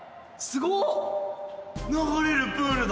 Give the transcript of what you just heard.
流れるプールだ。